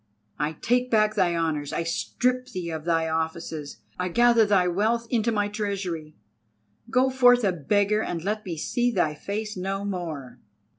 I take back thy honours, I strip thee of thy offices, I gather thy wealth into my treasury. Go forth a beggar, and let me see thy face no more!"